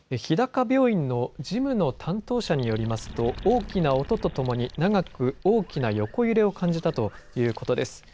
日高病院の事務の担当者によりますと大きな音とともに長く大きな横揺れを感じたということです。